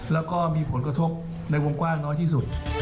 แล้วก็มีผลกระทบในวงกว้างน้อยที่สุด